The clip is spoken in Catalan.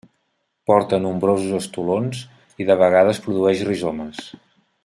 Porta nombrosos estolons i de vegades produeix rizomes.